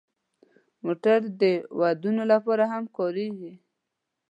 موټر د ودونو لپاره هم کارېږي.